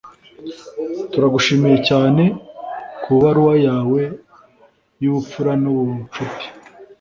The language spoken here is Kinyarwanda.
Turagushimiye cyane kubaruwa yawe yubupfura nubucuti